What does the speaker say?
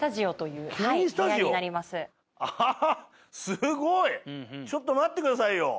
するとちょっと待ってくださいよ。